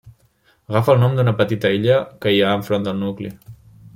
Agafa el nom d'una petita illa que hi ha enfront del nucli.